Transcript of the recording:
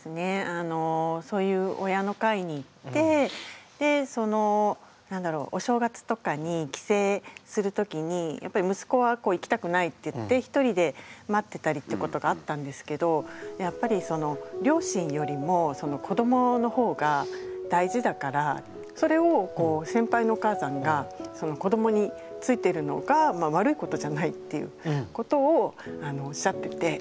あのそういう親の会に行ってでその何だろうお正月とかに帰省する時にやっぱり息子はこう行きたくないって言って一人で待ってたりってことがあったんですけどやっぱり両親よりも子どものほうが大事だからそれをこう先輩のお母さんが子どもについてるのが悪いことじゃないっていうことをおっしゃってて。